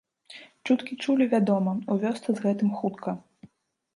Чуткі чулі вядома, у вёсцы з гэтым хутка.